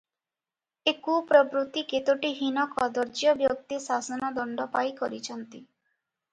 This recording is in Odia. ଏ କୁପ୍ରବୃତ୍ତି କେତୋଟି ହୀନ କଦର୍ଯ୍ୟ ବ୍ୟକ୍ତି ଶାସନ ଦଣ୍ଡ ପାଇ କରିଚନ୍ତି ।